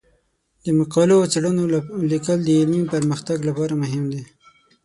د مقالو او څیړنو لیکل د علمي پرمختګ لپاره مهم دي.